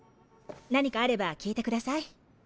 何かあれば聞いてください。